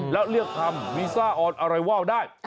แล้วเลือกทำวีซ่าออนอะไรว่าวได้